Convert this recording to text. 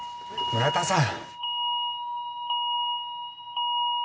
村田さん！